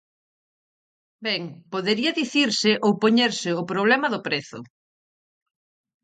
Ben, podería dicirse ou poñerse o problema do prezo.